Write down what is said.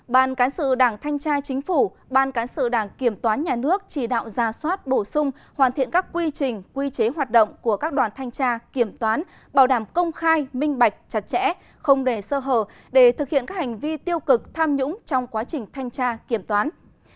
một ban cán sự đảng thanh tra chính phủ ban cán sự đảng kiểm toán nhà nước chỉ đạo ra soát bổ sung hoàn thiện các quy trình quy chế hoạt động của các đoàn thanh tra kiểm toán bảo đảm công khai minh bạch chặt chẽ không để sơ hở để thực hiện các hành vi tiêu cực tham nhũng trong quá trình thanh tra kiểm toán